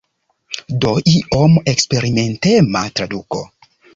Do iom eksperimentema traduko.